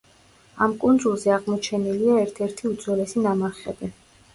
ამ კუნძულზე აღმოჩენილია, ერთ-ერთი უძველესი ნამარხები.